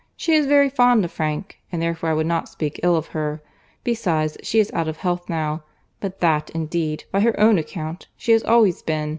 She is very fond of Frank, and therefore I would not speak ill of her. Besides, she is out of health now; but that indeed, by her own account, she has always been.